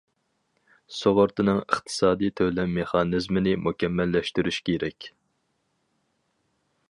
سۇغۇرتىنىڭ ئىقتىسادىي تۆلەم مېخانىزمىنى مۇكەممەللەشتۈرۈش كېرەك.